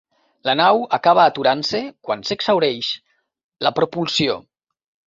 La nau acaba aturant-se quan s'exhaureix la propulsió.